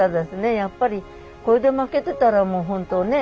やっぱりこれで負けてたらもう本当ね